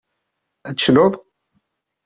Ad tecnuḍ?